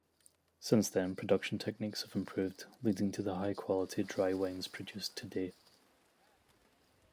Since then, production techniques have improved, leading to the high-quality dry wines produced today.